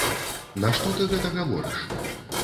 Нашто ты гэта гаворыш?